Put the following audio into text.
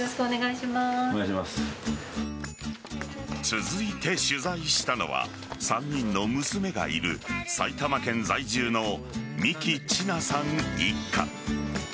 続いて取材したのは３人の娘がいる埼玉県在住の三木千奈さん一家。